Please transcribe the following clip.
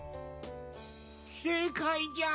正解じゃ！